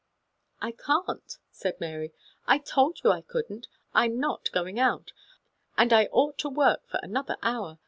" I can't," said Mary. " I told you I couldn't. I'm not going out, and I ought to work for another hour.